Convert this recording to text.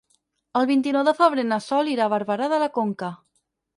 El vint-i-nou de febrer na Sol irà a Barberà de la Conca.